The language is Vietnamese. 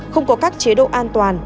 không có các chế độ an toàn